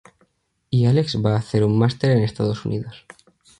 Y Álex va a hacer un máster en Estados Unidos.